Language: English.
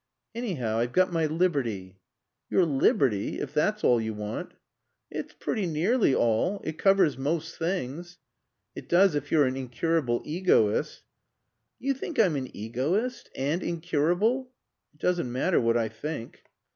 "Anyhow, I've got my liberty." "Your liberty if that's all you want!" "It's pretty nearly all. It covers most things." "It does if you're an incurable egoist." "You think I'm an egoist? And incurable?" "It doesn't matter what I think."